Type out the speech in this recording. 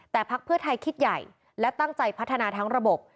แต่พักเพื่อไทยคิดใหญ่และตั้งใจพัฒนาทั้งระบบ